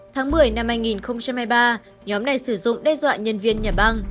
tháng một mươi năm hai nghìn hai mươi ba nhóm này sử dụng đe dọa nhân viên nhà băng